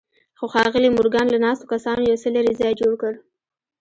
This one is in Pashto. خو ښاغلي مورګان له ناستو کسانو یو څه لرې ځای جوړ کړ